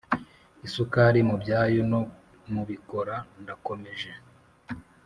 Isukari mubyayo no mubikora ndakomeje